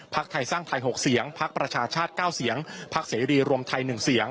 พักไทยสร้างไทยหกเสียงพักประชาชาติเก้าเสียงพักเสรีรวมไทยหนึ่งเสียง